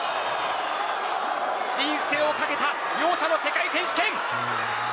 人生をかけた両者の世界選手権。